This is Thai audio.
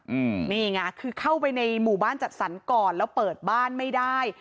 อืมนี่ไงคือเข้าไปในหมู่บ้านจัดสรรก่อนแล้วเปิดบ้านไม่ได้